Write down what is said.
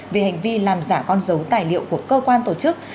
về hành vi làm giả con dấu tài liệu của cơ quan tổ chức